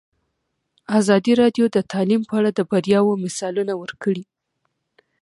ازادي راډیو د تعلیم په اړه د بریاوو مثالونه ورکړي.